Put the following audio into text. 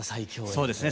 そうですね。